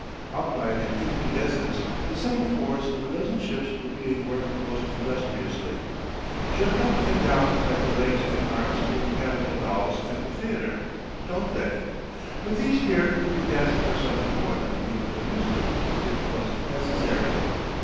Outlined in incandescents, the semaphores of a dozen ships were being worked most industriously. "Jerk up and down like the legs and arms of the mechanical dolls at the theatre, don't they? But these here could be dancing for something more than the people's amusement if 'twas necessary.